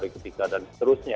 ketiga dan seterusnya